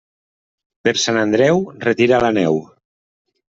Per Sant Andreu, retira la neu.